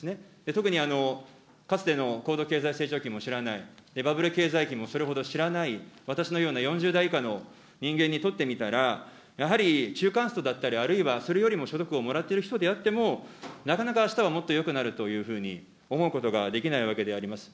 特に、かつての高度経済成長期も知らない、バブル経済期もそれほど知らない、私のような４０代以下の人間にとってみたら、やはり中間層だったり、あるいはそれよりも所得をもらっている人であっても、なかなかあしたはもっとよくなるというふうに思うことができないわけであります。